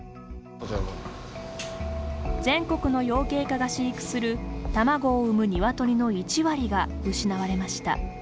全国の養鶏家が飼育する卵を産むニワトリの１割が失われました。